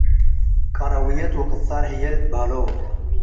ቀረውየት ወቅጻር ህዬ ልትበሀሎ ።